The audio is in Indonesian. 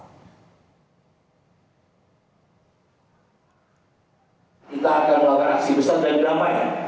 kita akan melakukan aksi besar dan didamaikan